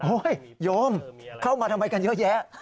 โยมเข้ามาทำไมกันเยอะแยะ